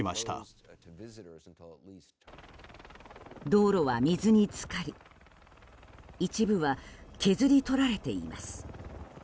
道路は水に浸かり一部は削り取られています。